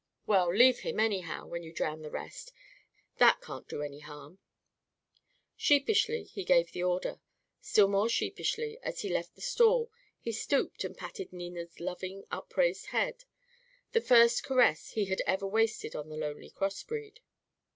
Well, leave him, anyhow, when you drown the rest. That can't do any harm." Sheepishly, he gave the order. Still more sheepishly, as he left the stall, he stooped and patted Nina's lovingly upraised head the first caress he had ever wasted on the lonely cross breed.